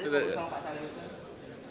tadi ketemu sama pak saleh husin